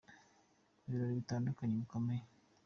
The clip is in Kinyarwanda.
Mu birori bitandukanye bikomeye.